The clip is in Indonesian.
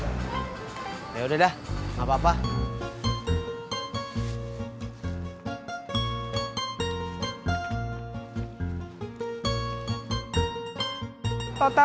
jadi tadi dimana ya makul makanya jangan banyak ngomong tons n